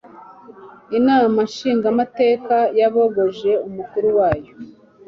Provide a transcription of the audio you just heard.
Inama nshingamateka yabogoje umukuru wayo